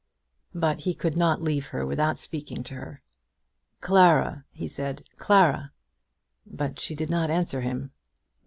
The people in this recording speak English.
But he could not leave her without speaking to her. "Clara!" he said; "Clara." But she did not answer him.